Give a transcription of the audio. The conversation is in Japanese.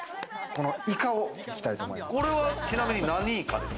このイカをいきたいと思います。